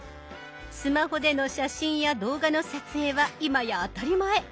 スマホでの写真や動画の撮影は今や当たり前。